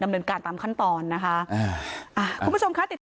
เชิงชู้สาวกับผอโรงเรียนคนนี้